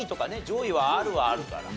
上位はあるはあるから。